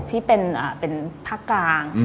พี่เป็นพักกลาง